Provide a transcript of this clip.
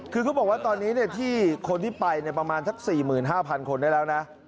คือเขาบอกว่าตอนนี้ที่คนที่ไปประมาณสัก๔๕๐๐คนได้แล้วนะ